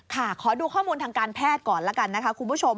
ขอดูข้อมูลทางการแพทย์ก่อนละกันนะคะคุณผู้ชม